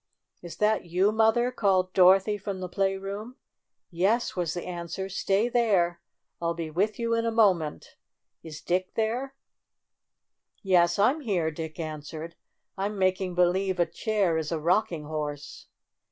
"Is that you, Mother?" called Dorothy from the playroom. "Yes," was the answer. "Stay there! I'll be with you in a moment. Is Dick there?" "Yes, I'm here !" Dick answered. "I'm making believe a chair is a rocking horse.